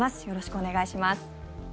よろしくお願いします。